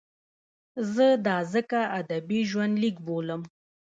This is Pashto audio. زه دا ځکه ادبي ژوندلیک بولم.